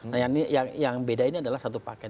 nah yang beda ini adalah satu paket